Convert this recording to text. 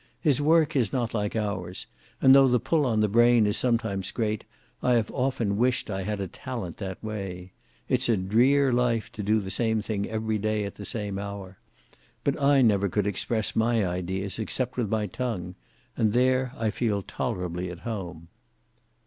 His work is not like ours; and though the pull on the brain is sometimes great, I have often wished I had a talent that way. It's a drear life to do the same thing every day at the same hour. But I never could express my ideas except with my tongue; and there I feel tolerably at home."